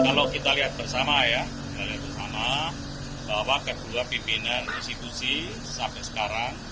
kalau kita lihat bersama ya bersama bahwa kedua pimpinan institusi sampai sekarang